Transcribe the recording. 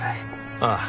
ああ。